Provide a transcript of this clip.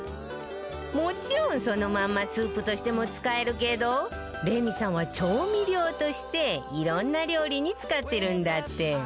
もちろんそのまんまスープとしても使えるけどレミさんは調味料としていろんな料理に使ってるんだって